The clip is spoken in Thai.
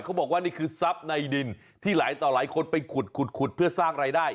เขาบอกว่านี่คือทรัพย์ในดินที่หลายต่อหลายคนไปขุดขุดเพื่อสร้างรายได้